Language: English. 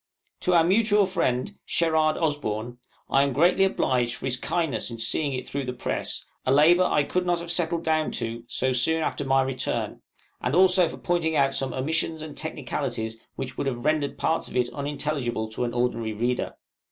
To our mutual friend, SHERARD OSBORN, I am greatly obliged for his kindness in seeing it through the press a labor I could not have settled down to so soon after my return; and also for pointing out some omissions and technicalities which would have rendered parts of it unintelligible to an ordinary reader.